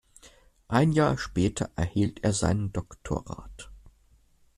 Ein Jahr später erhielt er seinen Doktorat.